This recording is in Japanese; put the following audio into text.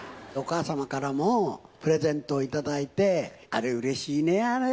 お母様からもプレゼントをいただいてあれうれしいね。